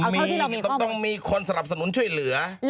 มีต้องมีคนสนับสนุนช่วยเหลือ